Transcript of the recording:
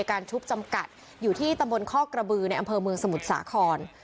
การชุบจำกัดอยู่ที่ตำบลคอกกระบือในอำเภอเมืองสมุทรสาคร